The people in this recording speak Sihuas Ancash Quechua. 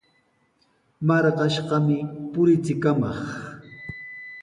Marqashqami purichikamaq.